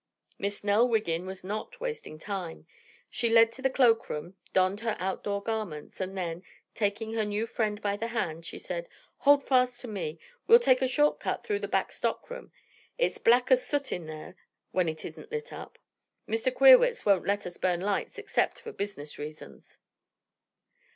Miss Nell Wiggin was not wasting time. She led the way to the cloakroom, donned her outdoor garments, and then, taking her new friend by the hand, she said: "Hold fast to me. We'll take a short cut through the back stockroom. It's black as soot in there when it isn't lit up. Mr. Queerwitz won't let us burn lights except for business reasons."